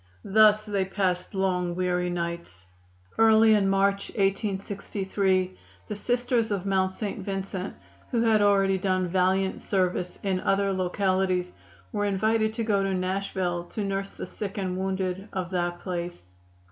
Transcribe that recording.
Thus they passed long, weary nights. Early in March, 1863, the Sisters of Mount St. Vincent, who had already done valiant service in other localities, were invited to go to Nashville to nurse the sick and wounded of that place.